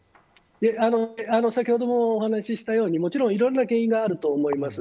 先ほどもお話したようにもちろん、いろんな原因があると思います。